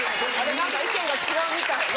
何か意見が違うみたい。